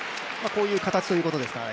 こういう形ということですか？